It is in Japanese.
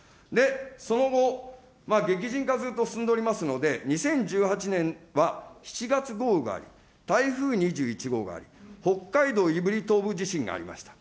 その後、激甚化ずっと進んでおりますので、２０１８年は７月豪雨があり、台風２１号があり、北海道胆振東部地震がありました。